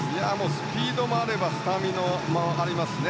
スピードもあればスタミナもありますね。